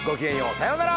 さようなら！